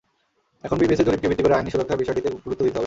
এখন বিবিএসের জরিপকে ভিত্তি ধরে আইনি সুরক্ষার বিষয়টিতে গুরুত্ব দিতে হবে।